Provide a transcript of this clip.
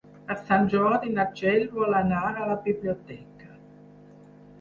Per Sant Jordi na Txell vol anar a la biblioteca.